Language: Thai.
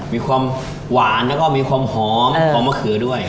มีความหวานแล้วก็มีความหอมของมะเขือด้วย